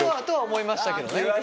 とは思いましたけどね。